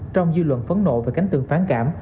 trong dư luận phấn nộ và cánh tường phán cảm